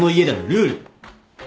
ルール？